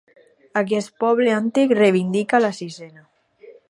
Aquest poble antic reivindica la sisena.